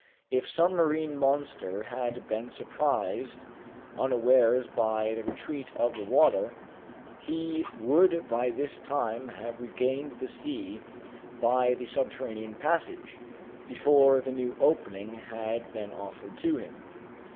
If some marine monster had been surprised unawares by the retreat of the water, he would by this time have regained the sea by the subterranean passage, before the new opening had been offered to him.